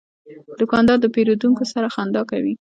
دوکاندار د پیرودونکو سره خندا کوي.